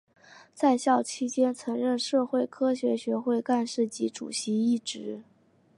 在校期间曾任社会科学学会干事及主席一职。